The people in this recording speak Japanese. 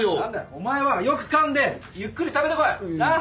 お前はよく噛んでゆっくり食べてこい。なあ？